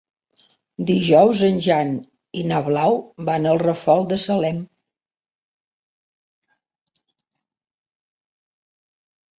Dijous en Jan i na Blau van al Ràfol de Salem.